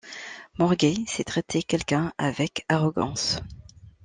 Morguer c'est traiter quelqu'un avec arrogance.